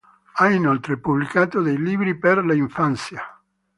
Ha inoltre pubblicato dei libri per l'infanzia.